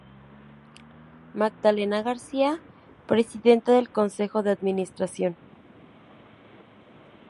Magdalena García, Presidenta del Consejo de Administración.